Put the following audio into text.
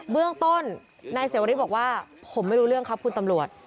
เรื่องต้นนายเสวริสบอกว่าผมไม่รู้เรื่องครับคุณตำรวจ